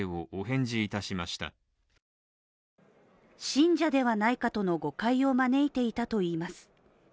信者ではないかとの誤解を招いていたといいます。